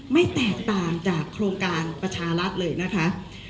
ไม่แตกต่างจากโครงการประชารัฐเลยนะคะ